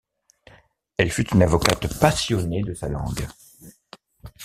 Elle fut une avocate passionnée de sa langue.